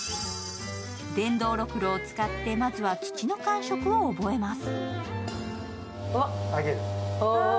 電動ろくろを使ってまずは土の感じを覚えます。